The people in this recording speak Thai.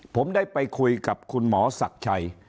ผมได้ไปคุยกับคุณหมอศักดิ์ชัย